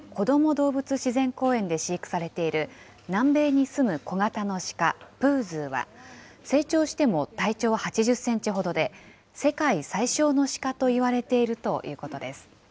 動物自然公園で飼育されている、南米に住む小型のシカ、プーズーは、成長しても体長８０センチほどで、世界最小のシカといわれているということです。